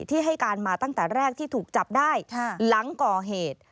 ที่ให้การมาตั้งแต่แรกที่ถูกจับได้หลังก่อเหตุ